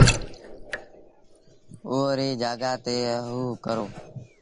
هئو ريٚ جآڳآ تي هئو ڪرو۔